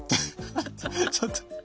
ちょっと。